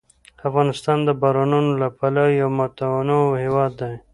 افغانستان د بارانونو له پلوه یو متنوع هېواد دی.